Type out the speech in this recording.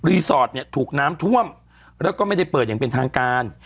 สอดเนี่ยถูกน้ำท่วมแล้วก็ไม่ได้เปิดอย่างเป็นทางการ